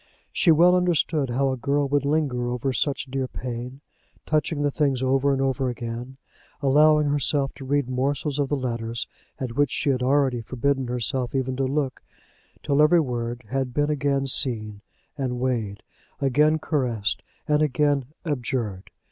She well understood how a girl would linger over such dear pain, touching the things over and over again, allowing herself to read morsels of the letters at which she had already forbidden herself even to look, till every word had been again seen and weighed, again caressed and again abjured.